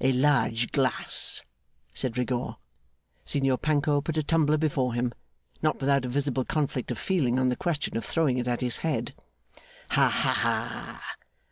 A large glass,' said Rigaud. Signor Panco put a tumbler before him; not without a visible conflict of feeling on the question of throwing it at his head. 'Haha!